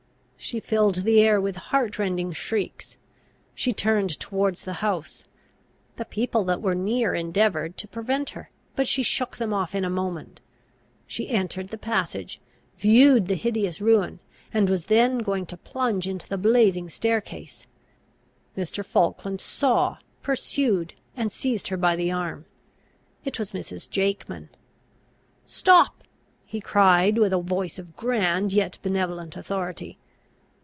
She filled the air with heart rending shrieks. She turned towards the house. The people that were near endeavoured to prevent her, but she shook them off in a moment. She entered the passage; viewed the hideous ruin; and was then going to plunge into the blazing staircase. Mr. Falkland saw, pursued, and seized her by the arm; it was Mrs. Jakeman. "Stop!" he cried, with a voice of grand, yet benevolent authority.